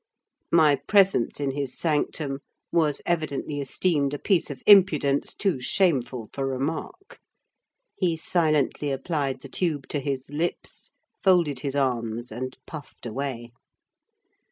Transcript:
My presence in his sanctum was evidently esteemed a piece of impudence too shameful for remark: he silently applied the tube to his lips, folded his arms, and puffed away.